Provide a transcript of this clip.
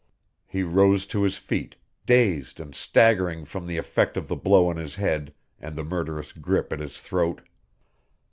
He rose to his feet, dazed and staggering from the effect of the blow on his head and the murderous grip at his throat.